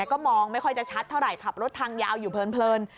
ก็มองไม่ค่อยจะชัดเท่าไหร่ขับรถทางยาวอยู่เพลิน